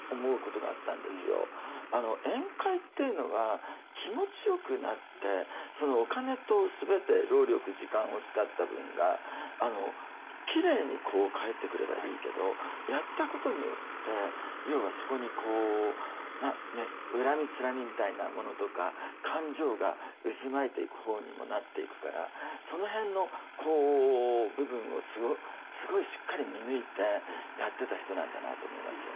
宴会っていうのは気持ちよくなってお金と全て労力時間を使った分がきれいに返ってくればいいけどやったことによって要はそこに恨みつらみみたいなものとか感情が渦巻いていく方にもなっていくからその辺の部分をすごいしっかり見抜いてやってた人なんだなと思いますよね。